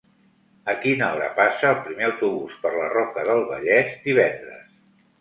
A quina hora passa el primer autobús per la Roca del Vallès divendres?